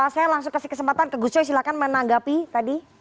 saya langsung kasih kesempatan ke gus coy silahkan menanggapi tadi